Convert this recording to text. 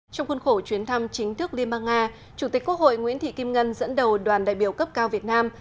trong khuôn khổ chuyến thăm chính thức liên bang nga chủ tịch quốc hội nguyễn thị kim ngân dẫn đầu đoàn đại biểu cấp cao việt nam